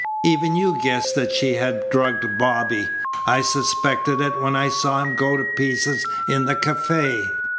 Even you guessed that she had drugged Bobby. I suspected it when I saw him go to pieces in the cafe.